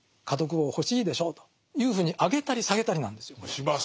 家督を欲しいでしょうというふうに上げたり下げたりなんですよこれ。